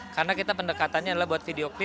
karena kita pendekatannya adalah buat video klipnya